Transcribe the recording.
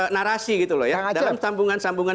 narasi gitu loh ya dalam sambungan sambungan